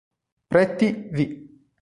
Pretty v.